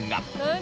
何？